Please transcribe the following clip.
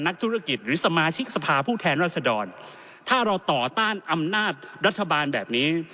นักธุรกิจหรือสมาชิกสภาผู้แทนรัศดรถ้าเราต่อต้านอำนาจรัฐบาลแบบนี้